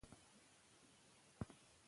که میندې فابریکه جوړ کړي نو کار به نه وي کم.